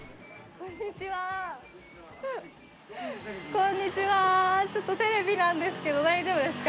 こんにちはテレビなんですけど大丈夫ですか？